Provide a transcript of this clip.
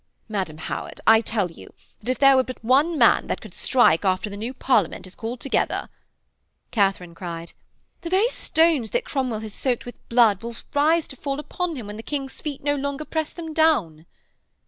Madam Howard, I tell you that if there were but one man that could strike after the new Parliament is called together....' Katharine cried: 'The very stones that Cromwell hath soaked with blood will rise to fall upon him when the King's feet no longer press them down.'